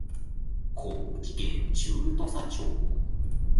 高知県中土佐町